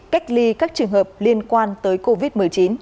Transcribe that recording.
cách ly các trường hợp liên quan tới covid một mươi chín